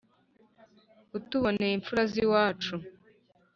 utuboneye imfura z'iwacu